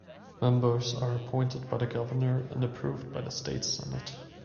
Members are appointed by the governor and approved by the state senate.